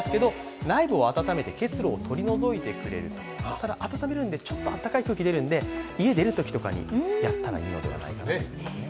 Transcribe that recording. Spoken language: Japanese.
ただ暖めるので、ちょっとあたたかい空気が出るので家出るときとかにやったらいいのではないのかなと思いますね。